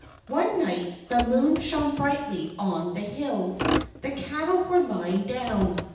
One night the moon shone brightly on the hill. The cattle were lying down.